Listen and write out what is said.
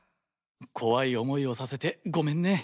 怖い思いをさせてごめんね。